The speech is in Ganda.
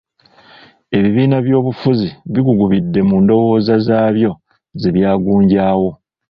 Ebibiina by'obufuzi bigugubidde mu ndowooza zaabyo ze byagunjaawo.